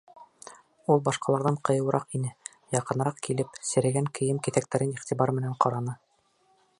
Ул башҡаларҙан ҡыйыуыраҡ ине, яҡыныраҡ килеп, серегән кейем киҫәктәрен иғтибар менән ҡараны.